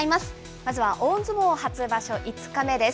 まずは大相撲初場所５日目です。